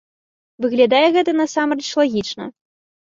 Выглядае гэта, насамрэч, лагічна.